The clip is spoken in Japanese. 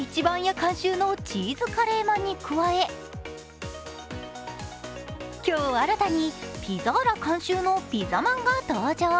監修のチーズカレーまんに加え今日新たに、ピザーラ監修のピザまんが登場。